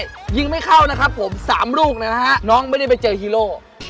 แล้วถ้าน้องยิงไม่เข้านะครับผม๓ลูกน้องไม่ได้ไปเจอฮีโร่